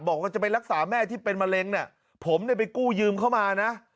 บอกว่าจะไปรักษาแม่ที่เป็นมะเร็งเนี่ยผมเนี่ยไปกู้ยืมเข้ามานะ